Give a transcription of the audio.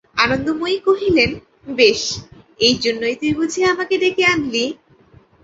আনন্দময়ী কহিলেন, বেশ, এইজন্যে তুই বুঝি আমাকে ডেকে আনলি!